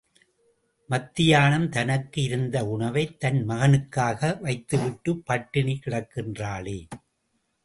மத்தியானம் தனக்கு இருந்த உணவை, தன் மகனுக்காக வைத்துவிட்டுப் பட்டினிகிடக்கின்றாளே!